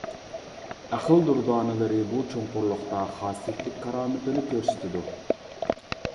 ئەقىل دۇردانىلىرى بۇ چوڭقۇرلۇقتا خاسىيەتلىك كارامىتىنى كۆرسىتىدۇ.